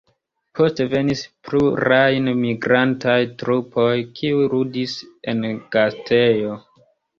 Poste venis pluraj migrantaj trupoj, kiuj ludis en gastejo.